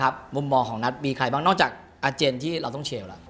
มุมมองของนัทมีใครบ้างนอกจากอาเจนที่เราต้องเชลแล้ว